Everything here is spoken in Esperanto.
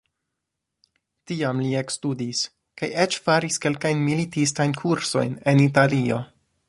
Tiam li ekstudis kaj eĉ faris kelkajn militistajn kursojn en Italio.